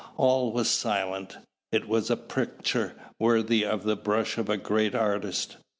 All was silence. It was a picture worthy of the brush of a great artist.